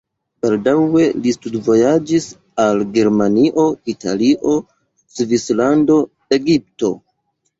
Baldaŭe li studvojaĝis al Germanio, Italio, Svislando, Egipto.